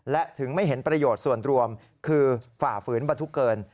และถึงไม่เห็นประโยชน์ส่วนรวมคือฝ่าฝืนบรรทุกเกิน